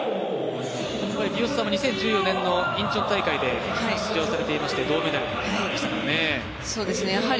三好さんも２０１４年のインチョン大会に出場されていまして銅メダルでしたからね。